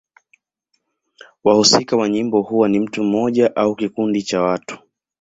Wahusika wa nyimbo huwa ni mtu mmoja au kikundi cha watu.